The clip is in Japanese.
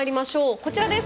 こちらです！